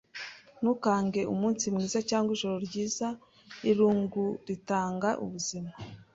ntukange umunsi mwiza cyangwa ijoro ryiza Irungu ritanga ubuzima;